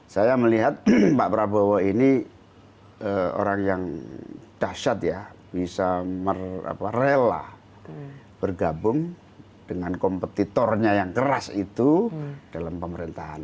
saya melihat pak prabowo ini orang yang dahsyat ya bisa rela bergabung dengan kompetitornya yang keras itu dalam pemerintahan